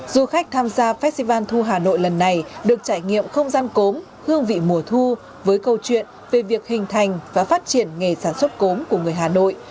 du khách tham gia festival thu hà nội lần này được trải nghiệm không gian cốm hương vị mùa thu với câu chuyện về việc hình thành và phát triển nghề sản xuất cốm của người hà nội